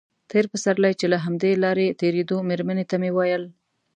تېر پسرلی چې له همدې لارې تېرېدو مېرمنې ته مې ویل.